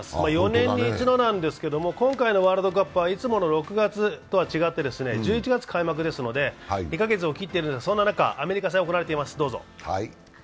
４年に一度なんですけど、今回のワールドカップはいつもの６月とは違って１１月開幕ですので２か月を切っています、そんな中、アメリカ戦です。